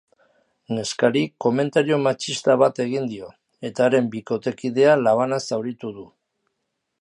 Neskari komentario matxista bat egin dio, eta haren bikotekidea labanaz zauritu du.